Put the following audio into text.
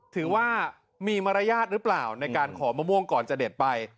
ถือว่ามีมารยาทหรือเปล่าในการขอมะม่วงก่อนจะเด็ดไป